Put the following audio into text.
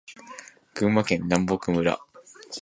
群馬県南牧村